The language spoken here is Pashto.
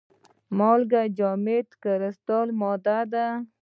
مالګه جامده کرستلي ماده ده.